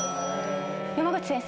山口先生。